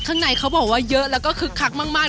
ข้างในเขาบอกว่าเยอะแล้วก็คึกคักมาก